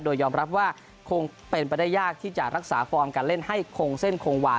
โดยยอมรับว่าคงเป็นไปได้ยากที่จะรักษาฟอร์มการเล่นให้คงเส้นคงวา